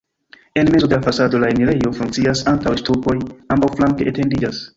En mezo de la fasado la enirejo funkcias, antaŭe ŝtupoj ambaŭflanke etendiĝas.